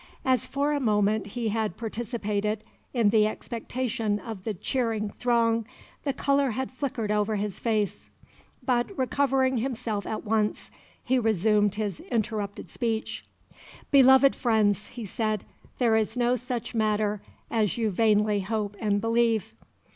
As for a moment he had participated in the expectation of the cheering throng the colour had flickered over his face; but, recovering himself at once, he resumed his interrupted speech. "Beloved friends," he said, "there is no such matter as you vainly hope and believe."